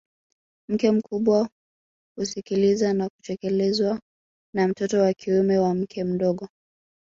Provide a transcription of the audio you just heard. Mke mkubwa husikilizwa na kutekelezwa na mtoto wa kiume wa mke mdogo